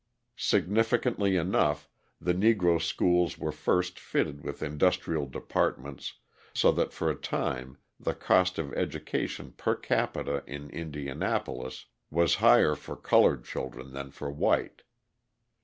Significantly enough, the Negro schools were first fitted with industrial departments, so that for a time the cost of education per capita in Indianapolis was higher for coloured children than for white.